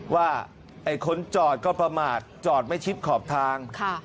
ว่าไอ้คนจอดก็ประมาทจอดไม่ชิดขอบทาง